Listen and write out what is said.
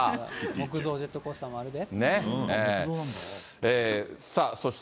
木造ジェットコースターもあるで。